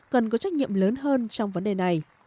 cần có trách nhiệm lớn hơn trong vấn đề này